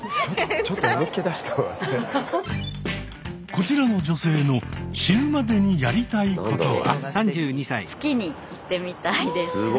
こちらの女性の死ぬまでにやりたいことは？